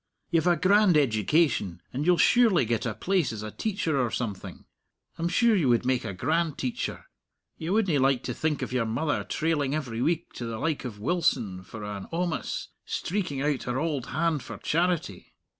You've a grand education, and you'll surely get a place as a teacher or something; I'm sure you would make a grand teacher. Ye wouldna like to think of your mother trailing every week to the like of Wilson for an awmous, streeking out her auld hand for charity.